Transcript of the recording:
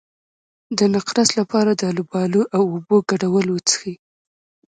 د نقرس لپاره د الوبالو او اوبو ګډول وڅښئ